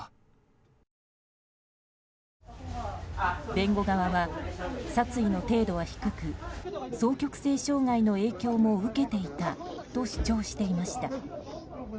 弁護側は、殺意の程度は低く双極性障害の影響も受けていたと主張していました。